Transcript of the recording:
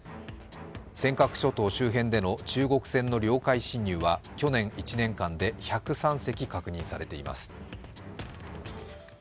尖閣諸島周辺での中国船の領海侵入は去年１年間で１０３隻確認されています。